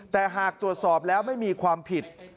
แต่หากตรวจสอบแล้วไม่มีความผิด